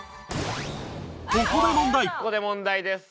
「ここで問題です」